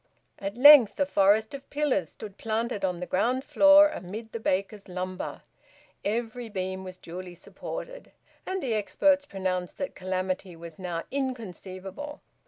At length a forest of pillars stood planted on the ground floor amid the baker's lumber; every beam was duly supported, and the experts pronounced that calamity was now inconceivable.